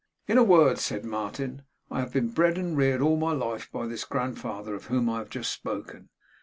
'In a word,' said Martin, 'I have been bred and reared all my life by this grandfather of whom I have just spoken.